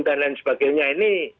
dan lain sebagainya ini